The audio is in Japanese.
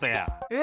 え！